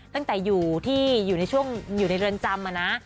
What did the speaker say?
ตั้งแต่อยู่ในช่วงในเรือนจำนะ